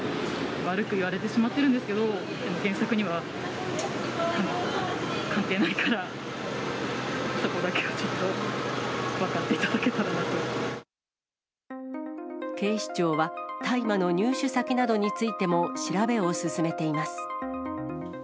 悪く言われてしまってるんですけど、原作には関係ないから、そこだけはちょっと、警視庁は、大麻の入手先などについても調べを進めています。